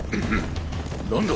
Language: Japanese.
何だ？